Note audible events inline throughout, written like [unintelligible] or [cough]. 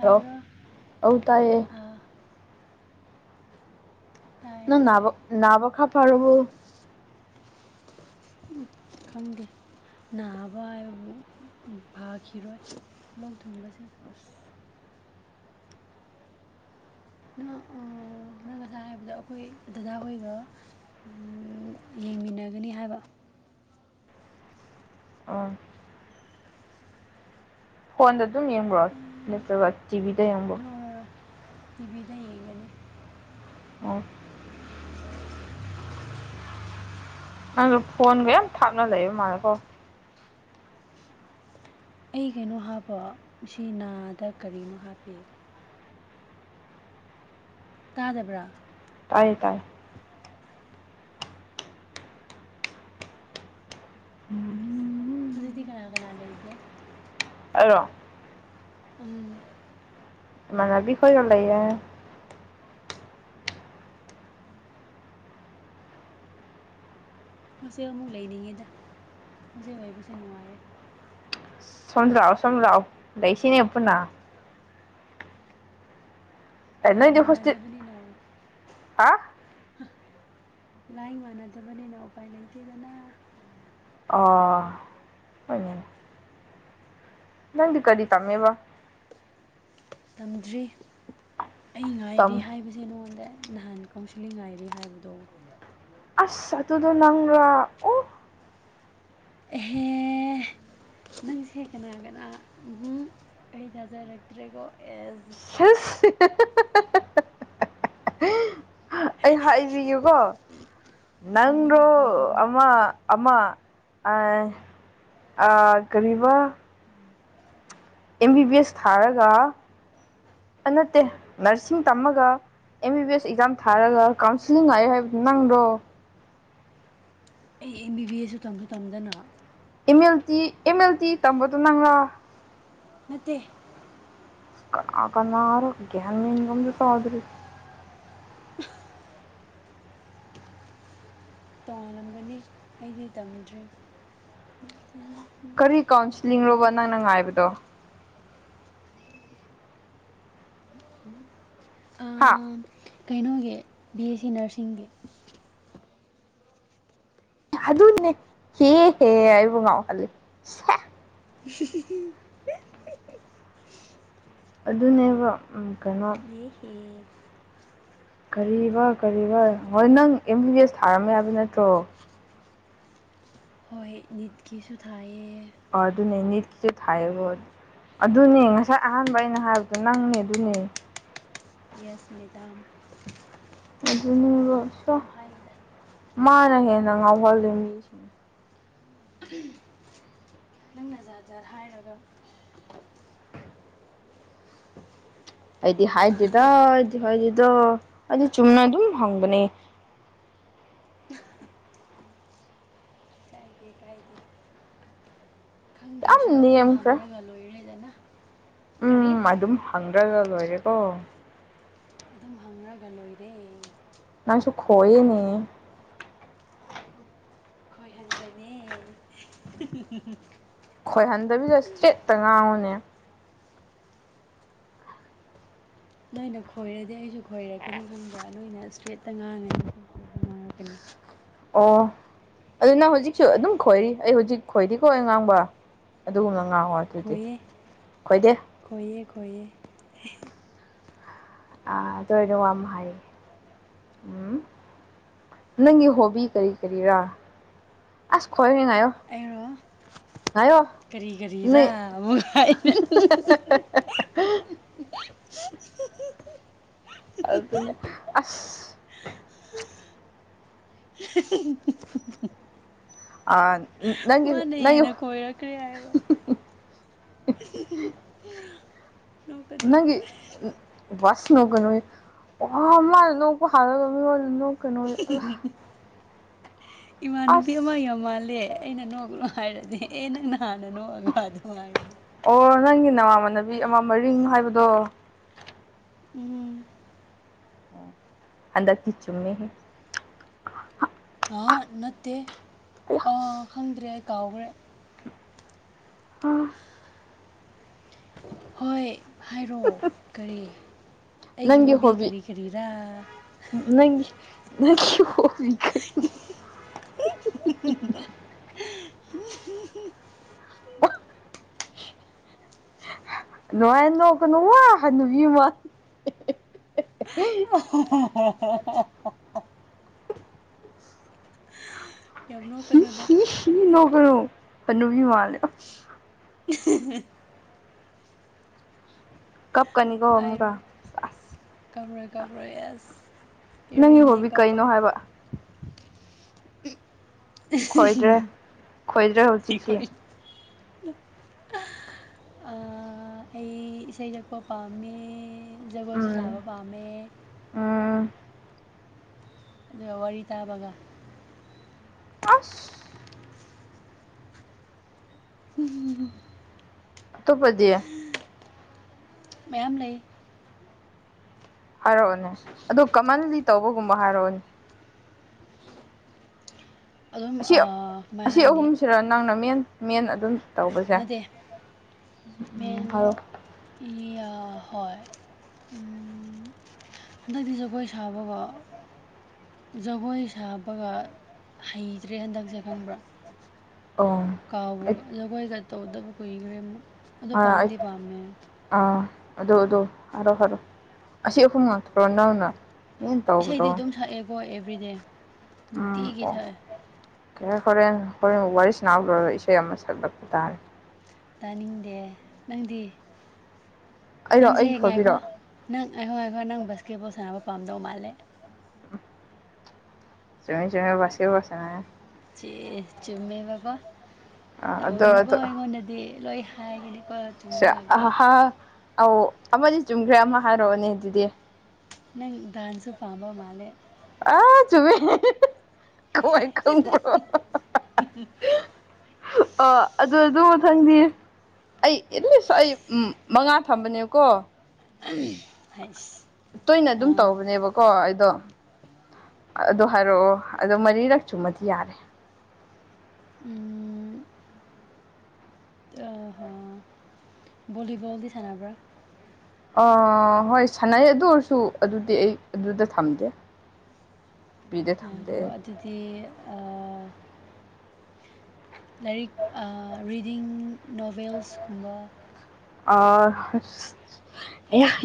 hello ꯑꯧ ꯇꯥꯏꯌꯦ ꯑꯥ ꯇꯥꯏ ꯅ ꯇꯥꯏ ꯅꯥꯕ ꯅꯅꯥꯕꯈꯥ ꯐꯔꯕꯣ ꯈꯪꯗꯦ ꯅꯥꯕ ꯍꯥꯏꯕꯨ ꯐꯈꯤꯔꯣꯏꯂꯧ ꯂꯣꯛꯊꯨꯡꯕꯁꯦ ꯅ ꯎꯝ ꯑꯅ ꯉꯁꯥꯏ ꯍꯥꯏꯕꯗ ꯑꯩꯈꯣꯏ ꯗꯗꯥ ꯍꯣꯏꯒ ꯌꯦꯡꯃꯤꯟꯅꯒꯅꯤ ꯍꯥꯏꯕ ꯑ ꯐꯣꯟꯗ ꯑꯗꯨꯝ ꯌꯦꯡꯕ꯭ꯔꯣ ꯅꯠꯇ꯭ꯔꯒ ꯇꯤꯚꯤꯗ ꯌꯦꯡꯕ꯭ꯔꯣ ꯅꯣꯔꯣꯏ ꯇꯤꯚꯤꯗ ꯌꯦꯡꯒꯅꯤ ꯑꯣ ꯅꯪꯗꯣ ꯐꯣꯟꯒ ꯌꯥꯝ ꯊꯥꯞꯅ ꯂꯩꯕ ꯃꯥꯜꯂꯦꯀꯣ ꯑꯩ ꯀꯩꯅꯣ ꯍꯥꯞꯄꯣ ꯁꯤ ꯅꯥꯗ ꯀꯔꯤꯅꯣ ꯍꯥꯞꯄꯤ ꯇꯥꯗꯕ꯭ꯔꯥ ꯇꯥꯏꯌꯦ ꯇꯥꯏꯌꯦ ꯑꯗꯨꯗꯤ ꯀꯅꯥ ꯀꯅꯥꯥ ꯂꯩꯒꯦ ꯑꯩꯔꯣ ꯎꯝ ꯢꯃꯥꯟꯅꯕꯤ ꯀꯣꯏꯒ ꯂꯩꯌꯦ ꯍꯣꯠꯁꯦꯜ ꯑꯃꯨꯛ ꯂꯩꯅꯤꯡꯉꯦꯗ ꯍꯣꯠꯁꯦꯜ ꯑꯣꯏꯕꯁꯦ ꯅꯨꯡꯉꯥꯏꯌꯦ ꯁꯖ꯭ꯔꯥꯎ ꯁꯨꯝꯖ꯭ꯔꯥꯎ ꯂꯩꯁꯤꯅꯦ ꯄꯨꯨꯟꯅꯥ ꯑꯦ ꯂꯥꯏ ꯅꯣꯏꯗꯤ ꯍꯣꯁꯇꯦꯜ ꯃꯅꯗꯕꯅꯤꯅ ꯍꯥ ꯂꯏ ꯃꯥꯅꯗꯅꯤꯅ ꯎ ꯄꯥꯏ ꯂꯩꯇꯤꯗꯅ ꯑꯣ ꯍꯣꯏꯅꯦ ꯅꯪꯗꯤ ꯀꯔꯤ ꯇꯃꯦ ꯕ ꯇꯝꯗ꯭ꯔꯤ ꯑꯩ ꯉꯥꯏꯔꯤ ꯇꯝ ꯍꯥꯏꯕꯁꯤ ꯁꯤ ꯅꯉꯣꯟꯗ ꯅꯍꯥꯟ ꯀꯥꯎꯟꯁꯤꯂꯤꯡ ꯉꯥꯏꯔꯤ ꯍꯥꯏꯕꯗꯣ ꯑꯁ ꯑꯗꯨꯗꯣ ꯅꯪꯔꯥ ꯑꯣ ꯑꯦꯍꯦ ꯅꯪꯁꯦ ꯀꯅꯥꯒꯅ ꯑꯩ ꯊꯥꯖꯔꯛꯇ꯭ꯔꯦꯀꯣ ꯑꯦꯁ [unintelligible] ꯑꯩ ꯍꯥꯏꯕꯤꯌꯨꯀꯣ ꯎꯝ ꯅꯪꯗꯣ ꯐꯥꯒꯤ ꯇꯧꯕꯅꯦ ꯑꯃ ꯑꯃ ꯑꯥꯢ ꯑ ꯀꯔꯤꯕ ꯎꯝ ꯑꯦꯝ ꯕꯤ ꯕꯤ ꯑꯦꯁ ꯊꯥꯔꯒ ꯅꯠꯇꯦ ꯅꯔꯁꯤꯡ ꯇꯝꯃꯒ M B B S exam ꯊꯥꯔꯒ ꯀꯥꯎꯟꯁꯤꯂꯤꯡ ꯍꯥꯏꯥꯛꯌꯦ ꯍꯥꯏꯕꯗꯨ ꯅꯪꯔꯣ ꯑꯩ ꯑꯦꯝ ꯕꯤ ꯕꯤ ꯑꯦꯁꯨ ꯇꯝꯁꯨ ꯇꯝꯗꯅ ꯏꯃꯦꯜ ꯇꯤ ꯏꯃꯦꯜ ꯇꯤ ꯇꯝꯕꯗꯨꯣ ꯅꯪꯥꯂ ꯅꯠꯇꯦ ꯀꯅ ꯀꯅꯔ ꯒꯤꯥꯟ ꯃꯟꯒꯝ ꯑꯃꯇ ꯇꯋꯥꯗ꯭ꯔꯔꯤ ꯇꯣꯉꯥꯟꯜꯂꯝꯒꯅꯤ ꯑꯩꯗꯤ ꯇꯝꯃꯤꯗ꯭ꯔꯤ ꯀꯔꯤ ꯀꯥꯎꯟꯁꯤꯂꯤꯡ ꯂꯣꯕ ꯅꯪꯅ ꯉꯥꯏꯕꯗꯣ ꯍꯥꯥ ꯀꯩꯅꯣꯒꯤ ꯕꯤ ꯑꯦꯁ ꯁꯤ ꯅꯔꯁꯤꯡꯒꯤ ꯑꯗꯨꯅꯦ ꯍꯦ ꯍꯦ ꯑꯩꯕꯨ ꯉꯥꯎꯍꯜꯂꯤ ꯁꯦ [unintelligible] ꯑꯗꯨꯅꯦꯕ ꯎꯝ ꯀꯩꯅꯣ ꯃꯍꯦ ꯀꯔꯤꯕ ꯀꯔꯤꯕ ꯍꯣꯏ ꯅꯪ ꯑꯦꯝ ꯕꯤ ꯕꯤ ꯑꯦꯁ ꯊꯥꯔꯝꯃꯦ ꯍꯥꯏꯕ ꯅꯠꯇ꯭ꯔꯣ ꯍꯣꯏ ꯅꯤꯠꯀꯤꯁꯨ ꯊꯥꯏꯌꯦ ꯑꯣ ꯑꯗꯨ ꯅꯅꯤꯠ ꯊꯥꯏꯌꯦꯕꯣ ꯑꯗꯨꯅꯦ ꯉꯁꯥꯏ ꯑꯍꯥꯟꯕ ꯑꯩꯅ ꯍꯥꯏꯕꯗꯣ ꯅꯪꯅꯦ ꯑꯗꯨꯅꯦ ꯁ ꯃꯦꯗꯥꯝ ꯑꯗꯨꯅꯦꯕ ꯁ ꯑꯗꯨꯝ ꯍꯥꯏꯒꯦꯗ ꯃꯥꯅ ꯍꯦꯟꯅ ꯉꯥꯎꯍꯜꯂꯤ ꯃꯤꯁꯤꯡ ꯎꯝ ꯅꯪ ꯅ ꯖꯥꯔꯗꯖ ꯍꯥꯏꯔꯒ ꯑꯩꯗꯤ ꯍꯥꯏꯗꯦꯗ ꯑꯩꯗꯤ ꯍꯥꯏꯗꯦꯗ ꯑꯩꯗꯤ ꯆꯨꯝꯅ ꯑꯗꯨꯝ ꯍꯪꯕꯅꯦ ꯀꯥꯏꯗꯦ ꯀꯥꯏꯗꯦ ꯈꯪꯗ꯭ꯔꯁꯨ ꯌꯥꯝ ꯑꯗꯨꯝ ꯅꯦꯝꯈ꯭ꯔꯦ ꯍꯪꯉꯒ ꯂꯣꯏꯔꯦꯗꯅ ꯀꯔꯤ ꯎꯝ ꯑꯗꯨꯝ ꯍꯪꯗ꯭ꯔꯒ ꯂꯣꯏꯔꯦꯀꯣ ꯎꯅꯒ ꯂꯣꯏꯗ ꯅꯅꯥꯁꯨ ꯈꯣꯏ ꯅꯅꯤ ꯈꯣꯏꯍꯟꯕꯅꯦ ꯈꯣꯏꯍꯟꯗꯕꯤꯗ ꯏꯁꯇ꯭ꯔꯦꯠꯇ ꯉꯥꯡꯉꯨꯅꯦ ꯅꯣꯏꯅ ꯈꯣꯏꯔꯗꯤ ꯑꯩꯁꯨ ꯈꯣꯏꯔꯛꯀꯅꯤ ꯈꯪꯕ꯭ꯔ ꯅꯣꯏꯅ ꯏꯁꯇ꯭ꯔꯦꯠꯇ ꯉꯥꯡꯉꯦ ꯑꯩꯁꯨ ꯏꯁꯇ꯭ꯔꯦ ꯉꯥꯡꯉꯦ ꯎꯇꯅꯤ ꯑꯣ ꯑꯗꯨꯅ ꯍꯧꯖꯤꯛꯁꯨ ꯑꯗꯨꯝ ꯈꯣꯏꯔꯤ ꯑꯩ ꯍꯧꯖꯤꯛ ꯈꯣꯏꯗꯤꯀꯣ ꯉꯥꯡꯕ ꯑꯗꯨꯒꯨꯝꯅ ꯉꯥꯡꯉꯣꯅ ꯈꯌꯦ ꯈꯌꯦ ꯈꯣꯏꯌꯦ ꯇꯣꯏꯔꯝꯨ ꯍꯥꯏꯔꯤ ꯎꯝ ꯅꯪꯒꯤ ꯍꯣꯕꯤ ꯀꯔꯤ ꯀꯔꯤꯔꯥ ꯑꯁ ꯈꯣꯏ ꯉꯥꯏꯣ ꯑꯩꯔꯣ ꯀꯔꯤ ꯀꯔꯤꯗ ꯅꯣꯏ ꯑꯃꯨꯛ ꯍꯥꯏ ꯐ ꯑꯗꯨ ꯑꯁ ꯑ ꯅꯪꯒꯤ ꯅꯪꯒꯤ ꯃꯥꯅꯦꯅ ꯀꯣꯏꯔꯛꯈ꯭ꯔꯦ ꯍꯥꯏꯕ ꯅꯣꯛꯀꯅꯨ ꯅꯪꯒꯤ ꯕꯥꯁ ꯅꯣꯛꯀꯩꯅꯣ ꯋꯥ ꯃꯥꯅ ꯅꯣꯛꯄ ꯍꯜꯂꯒ ꯃꯤꯉꯣꯟꯗ ꯅꯣꯛꯀꯩꯅꯣ ꯏꯃꯥꯟꯅꯨꯕꯤ ꯑꯃ ꯑꯁ ꯌ ꯃꯥꯜꯂꯦ ꯑꯩꯅ ꯅꯣꯛꯅꯨ ꯍꯥꯏꯔꯗꯤ ꯑꯦ ꯅꯪꯅ ꯍꯥꯟꯅꯅꯣꯒ ꯑꯗꯨꯅꯨꯡꯥꯏꯅꯤ ꯑꯣ ꯅꯪꯒꯤ ꯅꯃꯃꯥꯟꯅꯕꯤ ꯑꯃ ꯃꯔꯤꯡ ꯍꯥꯏꯕꯗꯣ ꯎꯝ ꯑꯗꯔꯀꯤ ꯆꯨꯝꯃꯦ ꯍ ꯑ ꯅꯠꯇꯦ ꯑꯌꯥ ꯑꯥ ꯈꯪꯗ꯭ꯔꯦ ꯀꯥꯎꯈ꯭ꯔꯦ ꯑꯥ ꯍꯣꯏ ꯍꯥꯏꯔꯣꯑꯣ ꯀꯔꯤ ꯑꯩꯒꯤ ꯍꯣꯕꯤ ꯀꯔꯤ ꯀꯔꯤꯔꯥ ꯅꯪ ꯅꯪ [unintelligible] [unintelligible] [unintelligible] ꯅꯣꯡ ꯅꯣ ꯀꯅꯅꯨꯡ ꯋꯥ ꯍꯃ [unintelligible] ꯌꯥꯝꯎꯅꯣ ꯀꯩꯅꯣꯗ ꯐꯠꯇꯦ ꯍꯥꯅꯨꯕꯤ ꯃꯥꯜꯂꯦ [unintelligible] ꯀꯞꯀꯅꯤꯀꯣ ꯇꯥꯏꯔꯣ ꯑꯃꯨꯛꯀ ꯑꯁ ꯀꯕꯔꯣꯏ ꯀꯕꯔꯣꯏ ꯑꯦꯁ ꯅꯪꯒꯤ ꯍꯣꯕꯤ ꯏꯔꯤꯟꯦꯀꯄꯣꯏ ꯀꯩꯅꯣ ꯍꯥꯏꯕ ꯈꯣꯏꯗ꯭ꯔꯦ ꯈꯣꯏꯗ꯭ꯔꯦ ꯍꯧꯖꯤꯛꯇꯤ ꯍꯣꯏ ꯑꯩ ꯏꯁꯩ ꯁꯛꯄ ꯄꯥꯝꯃꯤ ꯖꯒꯣꯏꯁꯨ ꯁꯥꯕ ꯎꯝ ꯄꯥꯝꯃꯦ ꯎꯝ ꯑꯗꯨꯒ ꯋꯥꯔꯤ ꯇꯥꯕꯒ ꯑꯁ [unintelligible] ꯑꯇꯣꯞꯄꯗꯤ ꯃꯌꯥꯝ ꯂꯩ ꯍꯥꯏꯔꯛꯑꯣꯅꯦ ꯑꯗ ꯀꯃꯟꯂꯤ ꯇꯧꯕꯒꯨꯝꯕ ꯍꯥꯏꯔꯛꯑꯣꯅꯦ ꯑꯗꯨꯝ ꯑꯁꯤ ꯑꯥ ꯀꯃꯥꯏ ꯑꯁꯤ ꯍꯥꯏꯅꯤ ꯑꯍꯨꯝꯁꯤꯔ ꯅꯪꯅ ꯃꯦꯟ ꯃꯦꯟ ꯑꯗꯨꯝ ꯇꯧꯕꯁꯦ ꯅꯠꯇꯦ ꯎꯝ ꯃꯦꯟ ꯍꯥꯏꯔꯣ ꯍꯣꯏ ꯍꯟꯗꯛꯇꯤ ꯖꯒꯣꯏ ꯁꯥꯕꯀꯣ ꯖꯒꯣꯏ ꯁꯥꯕꯒ ꯍꯩꯇ꯭ꯔꯦ ꯍꯟꯗꯛꯁꯦ ꯈꯪꯕ꯭ꯔꯥ ꯑꯣ ꯀꯥꯎꯕ ꯑꯩ ꯖꯒꯣꯏꯒ ꯇꯧꯗꯕ ꯀꯨꯏꯈ꯭ꯔꯦ ꯑꯃꯨꯛ ꯑꯗꯣ ꯑꯥ ꯑꯩ ꯄꯥꯝꯗꯤ ꯄꯥꯝꯃꯦ ꯑꯥ ꯑꯗꯨ ꯑꯗꯨ ꯐꯔꯣ ꯐꯔꯣꯑꯣ ꯑꯁꯤ ꯑꯍꯨꯝ ꯉꯥꯛꯇꯔꯣ ꯏꯁꯩꯗꯤ ꯑꯗꯨꯝ ꯁꯛꯑꯦꯀꯣ ꯑꯦꯕ꯭ꯔꯤꯗꯦ ꯎꯝ ꯅꯨꯡꯇꯤꯒꯤ ꯑꯣ ꯁꯛꯑꯦ ꯀ ꯍꯣꯔꯦꯟ ꯍꯣꯔꯦꯟꯕꯨ ꯋꯥꯔꯤ ꯁꯅꯥꯔꯨꯔꯒ ꯏꯁꯩ ꯑꯃ ꯁꯛꯂꯛꯄ ꯇꯥꯔꯦ ꯇꯥꯅꯤꯡꯗꯦ ꯅꯪꯗꯤ ꯑꯩꯔꯣ ꯑꯩꯒꯤ ꯅꯪꯁꯦꯛ ꯉꯥꯏꯀꯣ ꯐꯣꯠꯄꯤꯔꯣ ꯅꯪ ꯑꯩꯍꯣꯏ ꯑꯩꯈꯣꯏ ꯅꯪ ꯕꯥꯁꯀꯦꯠꯕꯣꯜ ꯁꯥꯟꯅꯕ ꯄꯥꯝꯗꯧ ꯃꯥꯜꯂꯦ ꯆꯃꯤ ꯆꯃꯤ ꯕꯥꯈꯦꯠꯕꯣꯜꯁꯦꯅ ꯆꯦ ꯆꯨꯝꯃꯦꯕꯀꯣ ꯑꯥ ꯑꯗꯣ ꯇꯧꯒꯅꯨꯀꯣ ꯑꯗꯣ ꯑꯩꯉꯣꯟꯗꯗꯤ ꯂꯣꯏ ꯍꯥꯏꯒꯅꯤ ꯁ ꯑ ꯑꯧ ꯑꯃꯅꯤ ꯆꯨꯝꯈ꯭ꯔꯦ ꯑꯃ ꯍꯥꯏꯔꯛꯑꯣꯅꯦ ꯑꯗꯨꯗꯤ ꯅꯪ ꯗꯥꯥꯟꯁꯨ ꯄꯥꯝꯕ ꯃꯥꯂꯦ ꯑ ꯆꯨꯃꯤ ꯀꯋꯥꯥꯏ ꯀ ꯄꯨꯔꯣ ꯑ ꯑꯗꯨ ꯑꯗꯨ ꯃꯊꯪꯗꯤ ꯑꯩ ꯑꯦꯠꯂꯤꯁ ꯑꯩ ꯃꯉꯥ ꯊꯝꯕꯅꯦꯕꯀꯣ ꯍꯥꯏꯩꯁ ꯇꯣꯏꯅ ꯑꯗꯨꯝ ꯇꯧꯕꯅꯦꯕꯀꯣ ꯀꯣ ꯑꯩꯗꯣ ꯑꯗꯨꯗꯣ ꯍꯥꯏꯔꯛꯑꯣ ꯑꯗꯣ ꯃꯔꯤꯔꯛ ꯆꯨꯝꯃꯗꯤ ꯌꯥꯔꯦ ꯎꯝ ꯑꯍ ꯂꯤꯕꯜꯗꯤ ꯁꯅꯔꯕ꯭ꯔ ꯑ ꯍꯣꯏ ꯁꯅꯥꯏ ꯑꯗꯨ ꯑꯣꯏꯔꯁꯨ ꯑꯗꯨꯗꯤ ꯑꯩ ꯑꯗꯨꯗ ꯊꯝꯗꯦ ꯕꯤꯗ ꯊꯝꯗꯦ ꯑꯩ ꯑꯗꯨꯗꯤ ꯂꯥꯏꯔꯤꯛ ꯔꯤꯗꯤꯡ ꯅꯣꯕꯦꯜꯁꯀꯨꯝꯕ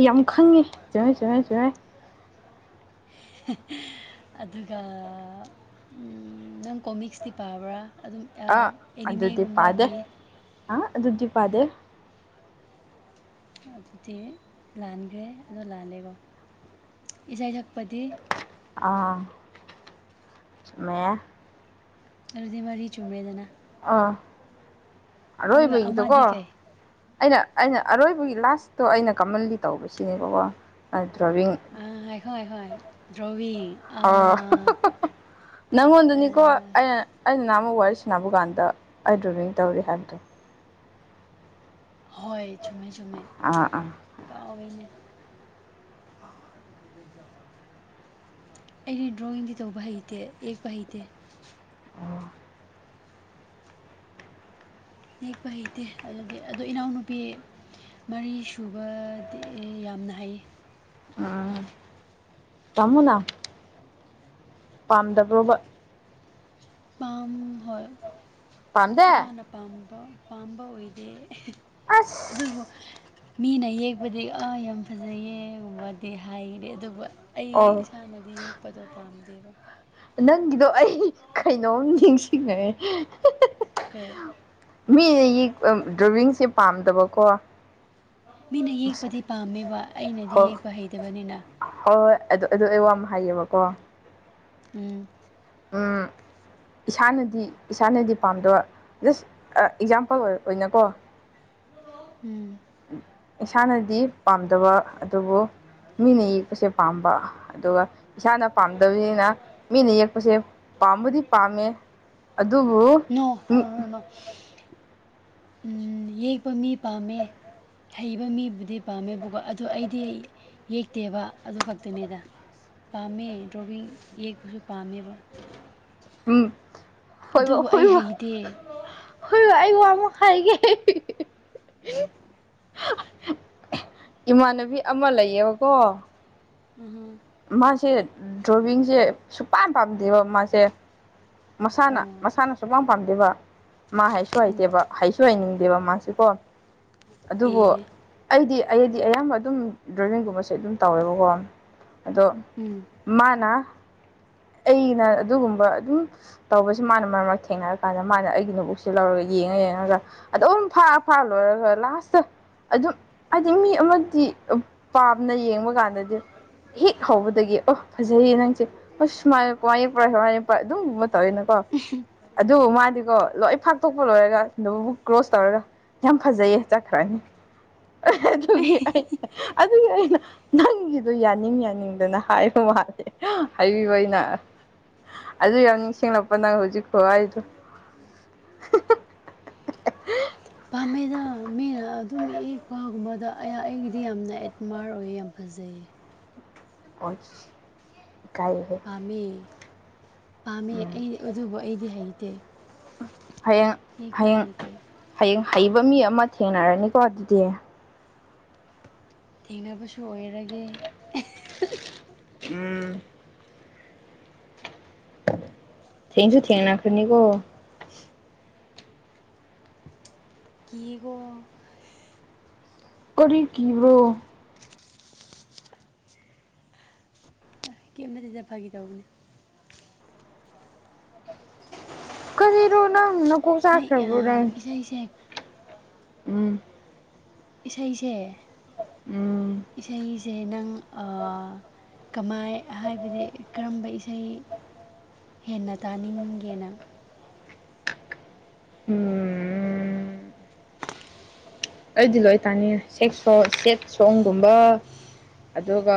ꯌꯥꯝ ꯈꯪꯉꯦ ꯆꯉꯣꯏ ꯆꯨꯝꯉꯦ ꯆꯨꯝꯉꯦ [inaudible] ꯑꯗꯨꯒ ꯅꯪ ꯀꯣꯃꯤꯛꯁꯇꯤ ꯄꯥꯕ꯭ꯔꯥ ꯑꯗꯨꯝ ꯑꯦꯅꯤꯃꯦꯒꯨꯝꯕꯒꯤ ꯑ ꯑꯗꯨꯗꯨꯗꯤ ꯄꯗꯦ ꯑꯗꯨꯗꯤ ꯂꯥꯟꯈ꯭ꯔꯦ ꯑꯗꯣ ꯂꯥꯜꯂꯦꯀꯣ ꯏꯁꯩ ꯁꯛꯄꯗꯤ ꯑꯥ ꯃ ꯑꯗꯨꯗꯤ ꯃꯔꯤ ꯆꯨꯝꯔꯦꯗꯅ ꯑꯥ ꯑꯗꯨꯒ ꯑꯔꯣꯏꯕꯒꯤꯗꯣꯀꯣ ꯑꯃꯗꯤ ꯀꯩ ꯑꯩꯅ ꯑꯩꯅ ꯑꯔꯣꯏꯕꯒꯤ ꯂꯥꯁꯇꯣ ꯑꯩꯅ ꯀꯃꯟꯂꯤ ꯇꯧꯕꯁꯤꯅꯦꯕꯀꯣ ꯗ꯭ꯔꯣꯕꯤꯡ ꯑ ꯍꯥꯏꯈꯣꯏ ꯑꯩꯈꯣꯏ ꯗ꯭ꯔꯕꯤ ꯑ ꯅꯪꯉꯣꯟꯗꯅꯤꯀꯣ ꯑꯩꯅ ꯑꯩꯅ ꯅꯍꯅꯥꯃꯨꯛ ꯋꯥꯔꯤ ꯁꯥꯟꯅꯕ ꯀꯥꯟꯗ ꯑꯩ ꯗ꯭ꯔꯣꯕꯤꯡ ꯇꯧꯔꯤ ꯍꯥꯏꯕꯗꯣ ꯍꯣꯏ ꯆꯖꯨꯝꯃꯦ ꯖꯨꯝꯃꯦ ꯑꯥ ꯑꯥ ꯀꯥꯎꯅꯦ ꯑꯩꯅ ꯗ꯭ꯔꯣꯋꯤꯡꯗꯤ ꯇꯧꯕ ꯍꯩꯇꯦ ꯌꯦꯛꯄ ꯍꯩꯇꯦ ꯑꯣ ꯅꯦꯛꯄ ꯍꯩꯇꯦ ꯑꯗꯨꯗꯤ ꯑꯣ ꯏꯅꯥꯎꯅꯨꯄꯤ ꯃꯔꯤ ꯁꯨꯕꯗꯤ ꯌꯥꯝꯅ ꯍꯩ ꯑꯥ ꯇꯃꯨꯅꯥ ꯄꯥꯝꯗꯕ꯭ꯔꯣꯕ ꯄꯥꯝ ꯍꯣꯏ ꯄꯥꯝꯗꯦ ꯏꯁꯥꯅ ꯄꯥꯝꯕ ꯄꯥꯝꯕ ꯑꯣꯏꯗꯦ ꯑꯁ ꯑꯗꯨꯕꯨ ꯃꯤꯅ ꯌꯦꯛꯄꯗꯤ ꯑꯥ ꯌꯥꯝ ꯐꯖꯩꯌꯦꯒꯨꯝꯕꯗꯤ ꯍꯥꯏꯔꯦ ꯑꯗꯨꯕꯨ ꯑꯩ ꯑꯣ ꯏꯁꯥꯅꯗꯤ ꯌꯦꯛꯄꯗꯣ ꯄꯥꯝꯗꯦꯕ ꯅꯪꯒꯤꯗꯣ ꯑꯩ ꯀꯩꯅꯣꯝ ꯅꯤꯡꯁꯤꯡꯉꯦ ꯀꯩ ꯃꯤ ꯗ꯭ꯔꯥꯏꯚꯡꯁꯦ ꯄꯥꯝꯗꯕꯀꯣ ꯃꯤꯅ ꯌꯦꯛꯄꯗꯤ ꯄꯥꯝꯃꯦꯕ ꯑꯩꯅꯗꯤ ꯍꯣꯏ ꯌꯦꯛꯄ ꯍꯩꯇꯕꯅꯤꯅ ꯍꯣꯏ ꯍꯣꯏ ꯑꯗꯨ ꯑꯗꯨ ꯑꯩ ꯋꯥ ꯑꯃ ꯍꯥꯏꯌꯦꯕꯀꯣ ꯎꯝ ꯎꯝ ꯏꯁꯥꯅꯗꯤ ꯏꯁꯥꯅꯗꯤ ꯄꯥꯝꯗꯕ ꯖꯁ ꯑꯦꯛꯖꯥꯝꯄꯜ ꯑꯣꯏꯅꯀꯣ ꯎꯝ ꯏꯁꯥꯅꯗꯤ ꯄꯥꯝꯗꯕ ꯑꯗꯨꯕꯨ ꯃꯤꯅ ꯌꯦꯛꯄꯁꯦ ꯄꯥꯝꯕ ꯑꯗꯨꯒ ꯏꯁꯥꯅ ꯄꯥꯝꯗꯕꯅꯤꯅ ꯃꯤꯅ ꯌꯦꯛꯄꯁꯦ ꯄꯥꯝꯕꯨꯗꯤ ꯄꯥꯝꯃꯦ ꯑꯗꯨꯕꯨ ꯅꯣ [inaudible] ꯎꯝ ꯌꯦꯛꯄ ꯃꯤ ꯄꯥꯝꯃꯦ ꯍꯩꯕ ꯃꯤꯕꯨꯗꯤ ꯄꯥꯝꯃꯦꯕꯀꯣ ꯑꯗꯨ ꯑꯩꯗꯤ ꯌꯦꯛꯇꯦꯕ ꯑꯗꯨ ꯈꯛꯇꯅꯦꯗ ꯄꯥꯝꯃꯦ ꯗ꯭ꯔꯣꯕꯤꯡ ꯌꯦꯛꯄꯁꯨ ꯄꯥꯝꯃꯦꯕ ꯎꯝ ꯑꯣꯏꯣꯏꯕ ꯑꯗꯨꯕꯨ ꯑꯩ ꯑꯣꯏꯣꯏꯕ ꯍꯩꯇꯦ ꯍꯣꯏꯔꯣ ꯑꯩꯕꯨ ꯑꯃꯨꯛ ꯍꯥꯏꯒꯦ ꯎꯝ ꯏꯃꯥꯟꯅꯕꯤ ꯑꯃ ꯂꯩꯌꯦꯕꯀꯣ ꯎꯝ ꯍꯝ ꯃꯥꯁꯦ ꯗ꯭ꯔꯣꯋꯡꯁꯦ ꯁꯨꯛꯄ ꯄꯥꯝꯗꯦꯕ ꯃꯥꯁꯦ ꯃꯁꯥꯅ ꯑꯣ ꯃꯁꯥꯅ ꯁꯨꯃꯥꯡ ꯄꯥꯝꯗꯦꯕ ꯃꯥ ꯍꯥꯏꯁꯨ ꯎꯝ ꯍꯩꯇꯦꯕ ꯍꯩꯁꯨ ꯍꯥꯏꯩꯅꯤꯡꯗꯦꯕ ꯃꯥꯁꯦꯀꯣ ꯑꯗꯨꯕꯨ ꯑꯦ ꯑꯩꯗꯤ ꯑꯩꯗꯤ ꯑꯌꯥꯝꯕ ꯑꯗꯨꯝ ꯗ꯭ꯔꯥꯏꯚꯤꯡꯒꯨꯝꯕꯁꯦ ꯑꯗꯨꯝ ꯇꯧꯋꯦꯕꯀꯣ ꯑꯗꯣ ꯎꯝ ꯃꯥꯅ ꯑꯩꯅ ꯑꯗꯨꯒꯨꯝꯕ ꯑꯗꯨꯝ ꯇꯧꯕꯁꯤ ꯃꯥꯅ ꯃꯔꯛ ꯃꯔꯛ ꯊꯦꯡꯅꯔꯀꯥꯟꯗ ꯃꯥꯅ ꯑꯩꯒꯤ ꯕꯨꯛꯁꯤ ꯂꯧꯔꯒ ꯌꯦꯡꯉ ꯌꯦꯡꯉꯒ ꯑꯗꯝ ꯐꯥꯔ ꯐꯥ ꯂꯣꯏꯔꯒ ꯂꯥꯁꯇ ꯑꯗꯨꯝ ꯍꯥꯏꯗꯤ ꯃꯤ ꯑꯃꯗꯤ ꯄꯥꯝꯅ ꯌꯦꯡꯕ ꯀꯥꯟꯗꯗꯤ ꯍꯤꯦꯛ ꯍꯧꯕꯗꯒꯤ ꯑꯣ ꯐꯖꯩꯌꯦ ꯅꯪꯁꯦ ꯍ ꯁꯨꯃ ꯋꯥꯛꯄ꯭ꯔꯄ꯭ꯔ ꯑꯗꯨꯝꯨꯝꯕ ꯇꯧꯋꯅꯀꯣ ꯑꯗꯨꯕꯨ ꯃꯥꯗꯤꯀꯣ ꯂꯣꯏ ꯐꯥꯛꯇꯣꯛꯄ ꯂꯣꯏꯔꯒ ꯑꯗꯨꯕꯨꯕꯨ ꯀ꯭ꯂ꯭ꯔꯣꯁ ꯇꯧꯔꯒ ꯌꯥꯝ ꯐꯖꯩꯌꯦ ꯆꯠꯈ꯭ꯔꯅꯤ ꯑꯗꯨꯒꯤ ꯑꯗꯨꯒꯤ ꯑꯩꯅ ꯅꯪꯒꯤꯗꯣ ꯌꯥꯅꯤꯡ ꯌꯥꯅꯤꯡꯗꯅ ꯍꯥꯏꯕ ꯃꯥꯜꯂꯦ ꯍꯥꯏꯕꯤꯕꯩꯅ ꯑꯗꯨ ꯌꯥꯝ ꯅꯤꯡꯁꯤꯡꯂꯛꯄ ꯅꯪ ꯍꯧꯖꯤꯛꯐꯥꯎ ꯍꯥꯏꯗꯣ ꯄꯥꯝꯃꯦꯗ ꯃꯤꯅ ꯑꯗꯨꯝ ꯏꯄꯒꯨꯝꯕꯗ ꯑꯩꯒꯤꯗꯤ ꯌꯥꯝꯅ ꯃꯥꯔ ꯑꯣꯏꯌꯦ ꯌꯥꯝ ꯐꯖꯩꯌꯦ ꯑꯣ ꯏꯀꯥꯏꯍ ꯄꯥꯝꯃꯦ ꯄꯥꯝꯃꯦ ꯑꯩ ꯑꯗꯨꯕꯨ ꯑꯩꯗꯤ ꯍꯩꯇꯦ ꯍꯌꯦꯡ ꯌꯦꯛꯄ ꯍꯌꯦꯡ ꯍꯩꯇꯦ ꯍꯌꯦꯡ ꯍꯩꯕ ꯃꯤ ꯑꯃ ꯊꯦꯡꯅꯔꯅꯤꯀꯣ ꯑꯗꯨꯗꯤ ꯊꯦꯡꯅꯕꯁꯨ ꯑꯣꯏꯔꯒꯦ ꯎꯝ ꯊꯦꯡꯁꯨ ꯊꯦꯡꯅꯥ ꯈꯅꯤꯀꯣ ꯀꯤꯒꯣ ꯑꯣꯏꯔꯤ ꯀꯕ꯭ꯔꯣ ꯀꯀꯤ ꯃꯇꯗ ꯐꯒꯦ ꯇꯧꯕꯅꯦ ꯀꯔꯤꯔꯣꯅꯥꯨꯅ ꯀꯣ ꯅꯪ ꯆꯈ꯭ꯔꯦꯕꯨꯔꯦ ꯑꯥ ꯏꯁꯩꯁꯦ ꯎꯝ ꯏꯁꯩꯁꯦ ꯎꯝ ꯏꯁꯩꯁꯦ ꯅꯪ ꯀꯃꯥꯏ ꯍꯥꯏꯕꯗꯤ ꯀꯔꯝꯕ ꯏꯁꯩ ꯍꯦꯟꯅ ꯇꯥꯅꯤꯡꯒꯦꯅ ꯎꯝ ꯑꯩꯗꯤ ꯂꯣꯏ ꯇꯥꯅꯤ ꯁꯦꯛ ꯁ ꯁꯦꯛ ꯁꯣꯡꯒꯨꯝꯕ ꯑꯗꯨꯒ